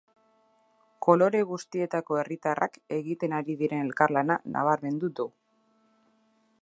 Kolore guztietako herritarrak egiten ari diren elkarlana nabarmendu du.